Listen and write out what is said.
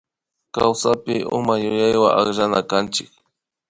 Kawsapika uma yuyaywa akllanakanchik